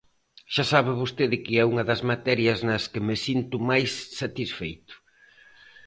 Xa sabe vostede que é unha das materias nas que me sinto máis satisfeito.